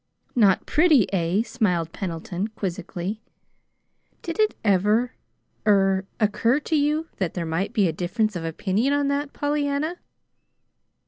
"Not pretty, eh?" smiled Pendleton, quizzically. "Did it ever er occur to you that there might be a difference of opinion on that, Pollyanna?"